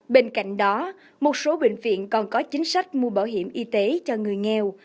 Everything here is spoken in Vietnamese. bên cạnh đó một số bệnh viện còn có chính sách mua bảo hiểm y tế cho người nghèo